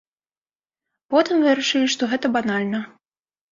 Потым вырашылі што гэта банальна.